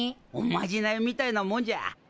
おまじないみたいなもんじゃ。